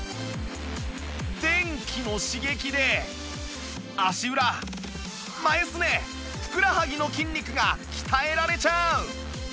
電気の刺激で足裏前すねふくらはぎの筋肉が鍛えられちゃう